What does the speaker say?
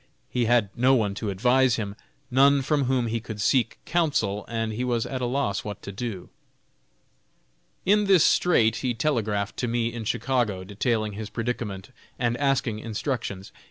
He had no one to advise him; none from whom he could seek counsel, and he was at a loss what to do. In this strait he telegraphed to me, in Chicago, detailing his predicament, and asking instructions.